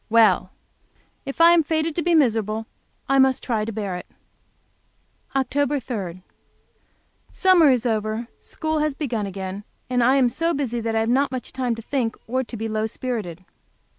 Well, if I am fated to be miserable, I must try to bear it. Oct. 3. Summer is over, school has begun again, and I am so busy that I have not much time to think, to be low spirited.